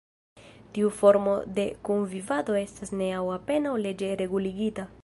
Tiu formo de kunvivado estas ne aŭ apenaŭ leĝe reguligita.